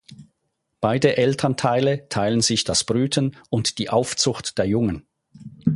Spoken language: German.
Beide Elternteile teilen sich das Brüten und die Aufzucht der Jungen.